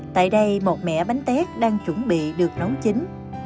tại đây một mẻ bánh tét đang chuẩn bị được nấu chính